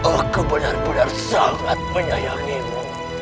aku benar benar sangat menyayangimu